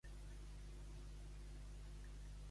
Vull fer una reserva d'una taula a un restaurant argentí.